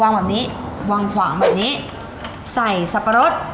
วางแบบนี้วางขวางแบบนี้ใส่สับปะรด